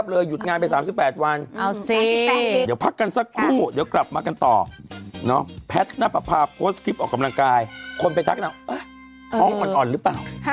อ๋อมันอ่อนหรือเปล่าฮะอืม